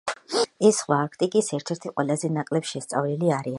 ეს ზღვა, არქტიკის ერთ-ერთი ყველაზე ნაკლებ შესწავლილი არეალია.